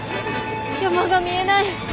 山が見えない。